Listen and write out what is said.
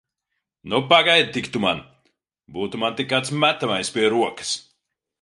Nu, pagaidi tik tu man! Būtu man tik kāds metamais pie rokas!